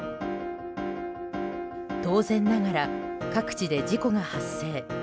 当然ながら、各地で事故が発生。